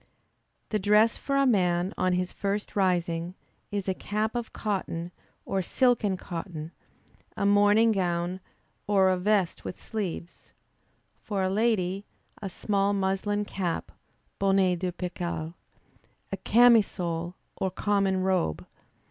The dress for a man on his first rising, is a cap of cotton, or silk and cotton, a morning gown, or a vest with sleeves; for a lady, a small muslin cap, (bonnet de percale,) a camisole or common robe.